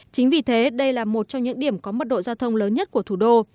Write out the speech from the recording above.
chính vì thế đây là một trong những điểm có mật độ giao thông lớn nhất của thủ đô